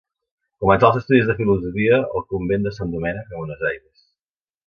Començà els estudis de filosofia al convent de Sant Domènec a Buenos Aires.